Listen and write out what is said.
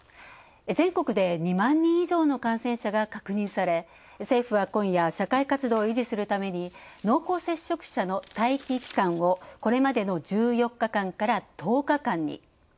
全国で２万人以上の感染者が確認され、政府は今夜、社会活動を維持するために濃厚接触者の待機期間をこれまでの１４日間から１０日間に。